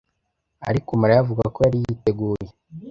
ariko Mariya avuga ko yari yiteguye.